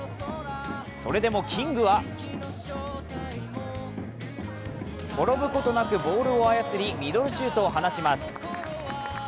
それでもキングは転ぶことなくボールを操りミドルシュートを放ちます。